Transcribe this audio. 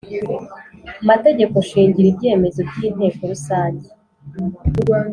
Mategeko nshingiro ibyemezo by inteko rusange